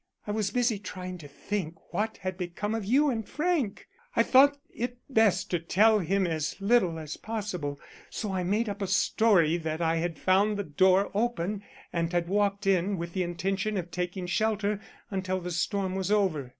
I was busy trying to think what had become of you and Frank. I thought it best to tell him as little as possible, so I made up a story that I had found the door open and had walked in with the intention of taking shelter until the storm was over.